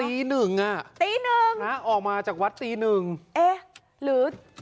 ตีหนึ่งอ่ะตีหนึ่งนะออกมาจากวัดตีหนึ่งเอ๊ะหรือ